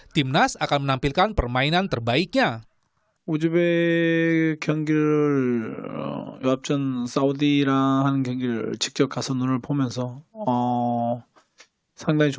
timnas akan menampilkan permainan terbaiknya